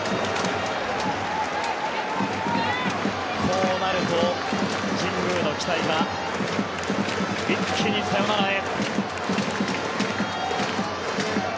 こうなると神宮の期待は一気にサヨナラへ。